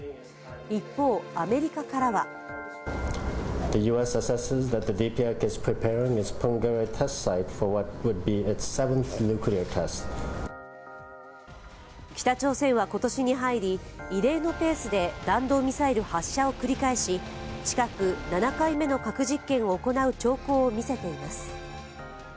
一方、アメリカからは北朝鮮は今年に入り、異例のペースで弾道ミサイル発射を繰り返し、近く７回目の核実験を行う兆候を見せています。